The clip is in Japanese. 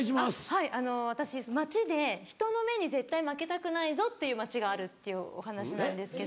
はい私街で人の目に絶対負けたくないぞっていう街があるっていうお話なんですけど。